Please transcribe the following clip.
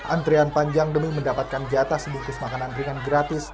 antrean panjang demi mendapatkan jatah sedikit makanan ringan gratis